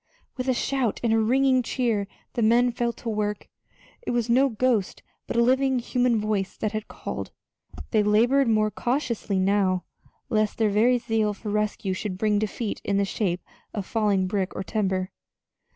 With a shout and a ringing cheer the men fell to work it was no ghost, but a living human voice that had called! They labored more cautiously now, lest their very zeal for rescue should bring defeat in the shape of falling brick or timber.